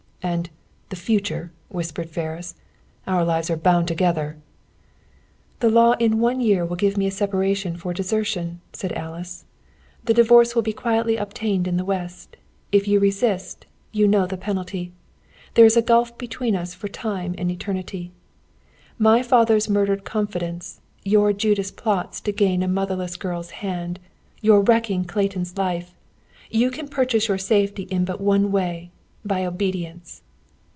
"And, the future?" whispered Ferris. "Our lives are bound together." "The law in one year will give me a separation for desertion," said Alice. "The divorce will be quietly obtained in the West; if you resist, you know the penalty! There is a gulf between us for Time and Eternity. "My father's murdered confidence, your Judas plots to gain a motherless girl's hand, your wrecking Clayton's life! You can purchase your safety in but one way: by obedience."